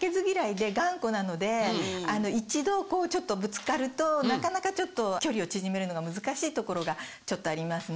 一度ちょっとぶつかるとなかなかちょっと距離を縮めるのが難しい所がちょっとありますね。